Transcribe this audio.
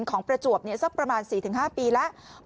ประจวบสักประมาณ๔๕ปีแล้ว